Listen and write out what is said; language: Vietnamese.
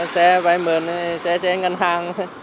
xe phải mượn xe trên ngân hàng